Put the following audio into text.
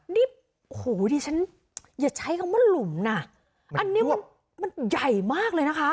นี่โอ้โหดิฉันอย่าใช้คำว่าหลุมน่ะอันนี้มันใหญ่มากเลยนะคะ